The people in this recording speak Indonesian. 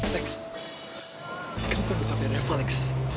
lex kan kamu pakai refah lex